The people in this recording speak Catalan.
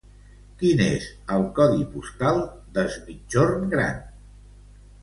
Quin és el codi postal d'Es Migjorn Gran?